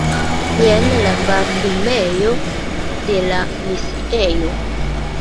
Jen la parkumejo de la misiejo.